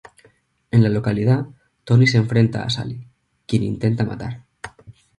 En la localidad, Toni se enfrenta a Sally, quien intenta matar.